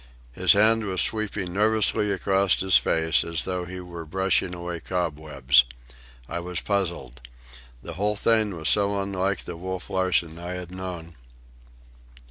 His hand was sweeping nervously across his face, as though he were brushing away cobwebs. I was puzzled. The whole thing was so unlike the Wolf Larsen I had known.